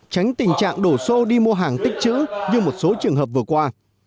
tránh tình trạng đổ xô đi mua hàng tích chữ như một số trường hợp vừa qua